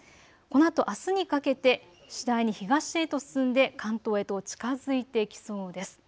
このあとあすにかけて次第に東へと進んで関東へと近づいてきそうです。